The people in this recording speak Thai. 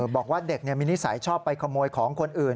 บอกว่าเด็กมีนิสัยชอบไปขโมยของคนอื่น